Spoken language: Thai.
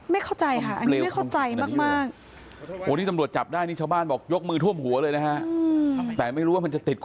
อ๋อไม่เข้าใจค่ะอันนี้ไม่เข้าใจมากมาก